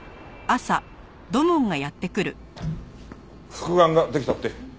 復顔ができたって？